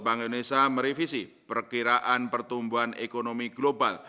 bank indonesia merevisi perkiraan pertumbuhan ekonomi global